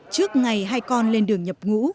trước ngày hai con lên đường nhập ngũ